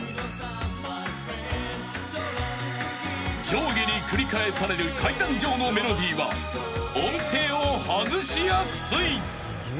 ［上下に繰り返される階段状のメロディーは音程を外しやすい］